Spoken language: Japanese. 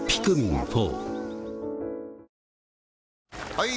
・はい！